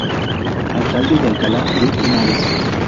Alcalde de Alcalá de Henares.